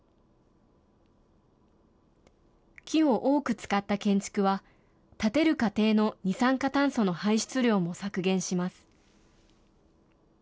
木を多く使った建築は、建てる過程の二酸化炭素の排出量も削減します。